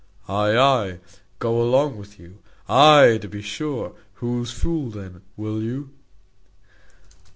Ay, ay: go along with you: Ay, to be sure! Who's fool then? Will you?